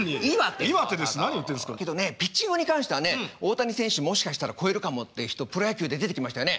けどねピッチングに関してはね大谷選手もしかしたら超えるかもって人プロ野球で出てきましたよね。